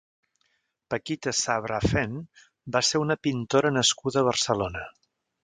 Paquita Sabrafen va ser una pintora nascuda a Barcelona.